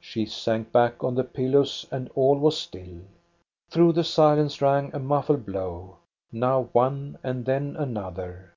She sank back on the pillows, and all was still. Through the silence rang a muffled blow, now one and then another.